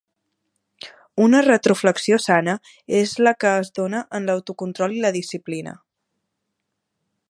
Una retroflexió sana és la que es dóna en l'autocontrol i la disciplina.